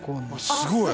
すごい。